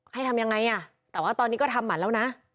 ทำยังไงอ่ะแต่ว่าตอนนี้ก็ทำหมันแล้วนะ